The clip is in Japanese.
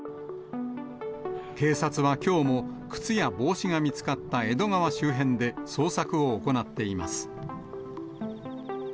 警察はきょうも靴や帽子が見つかった江戸川周辺で捜索を行っています。